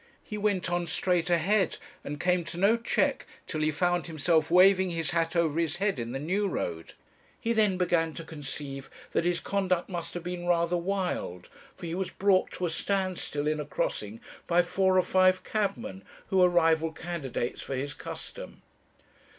He went on straight ahead, and came to no check, till he found himself waving his hat over his head in the New Road. He then began to conceive that his conduct must have been rather wild, for he was brought to a stand still in a crossing by four or five cabmen, who were rival candidates for his custom.